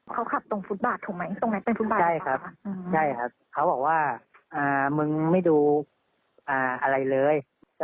เพื่อนก็บอกว่ามึงไม่ดูอะไรเลย